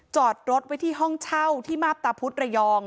จอดรถไว้ที่ห้องเช่าที่มาบตาพุธระยอง